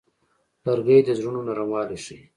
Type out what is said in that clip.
لرګی د زړونو نرموالی ښيي.